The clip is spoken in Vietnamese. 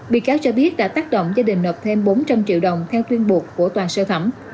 bị cáo cho biết đã tác động gia đình nợp thêm bốn trăm linh triệu đồng theo tuyên buộc của tòa sơ thẩm